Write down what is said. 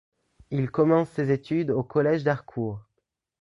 Il commence ses études au collège d'Harcourt.